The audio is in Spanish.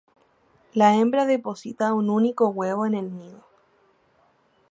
La hembra deposita un único huevo en el nido.